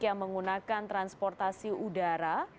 yang menggunakan transportasi udara